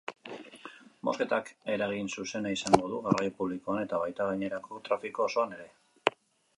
Mozketak eragin zuzena izango du garraio publikoan eta baita gainerako trafiko osoan ere.